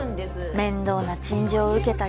面倒な陳情を受けたり。